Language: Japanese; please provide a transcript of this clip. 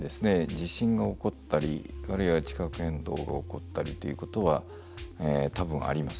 地震が起こったりあるいは地殻変動が起こったりということは多分あります。